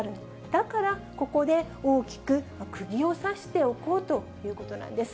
だから、ここで大きくくぎを刺しておこうということなんです。